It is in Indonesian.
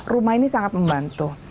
rumah ini sangat membantu